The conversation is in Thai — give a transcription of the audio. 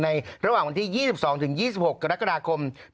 ระหว่างวันที่๒๒๒๖กรกฎาคม